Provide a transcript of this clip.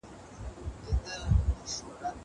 که وخت وي، مېوې وچوم!!